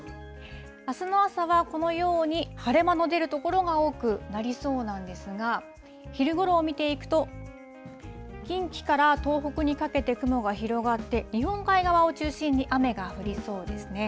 あすの朝はこのように、晴れ間の出る所が多くなりそうなんですが、昼ごろを見ていくと、近畿から東北にかけて雲が広がって、日本海側を中心に雨が降りそうですね。